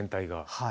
はい。